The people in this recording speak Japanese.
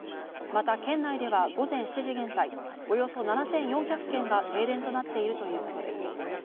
また県内では午前７時現在、およそ７４００軒が停電となっているということです。